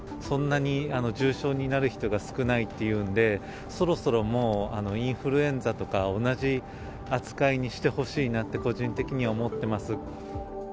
そんなに重症になる人が少ないっていうんで、そろそろもうインフルエンザとか同じ扱いにしてほしいなって、個人的には思ってます。